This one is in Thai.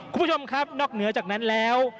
คุณผู้ชมครับนอกเหนือจากนั้นแล้ว